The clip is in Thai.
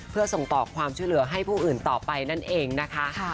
เพื่อส่งต่อความช่วยเหลือให้ผู้อื่นต่อไปนั่นเองนะคะ